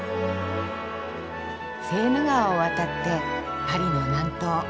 セーヌ川を渡ってパリの南東。